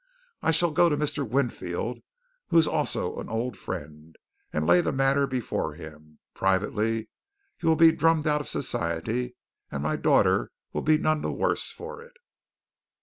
I shall go to Mr. Winfield, who is also an old friend, and lay the matter before him. Privately you will be drummed out of society and my daughter will be none the worse for it.